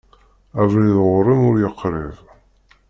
Abrid ɣur-m ur yeqrib.